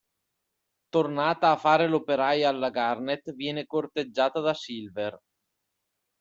Tornata a fare l'operaia alla Garnet, viene corteggiata da Silver.